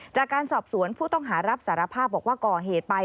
จากการสอบสวนผู้ต้องหารับสารภาพบอกว่าก่อเหตุไป